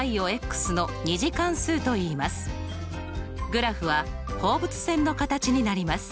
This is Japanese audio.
グラフは放物線の形になります。